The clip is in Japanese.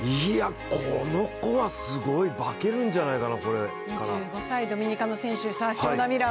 この子はすごい化けるんじゃないかな、これから。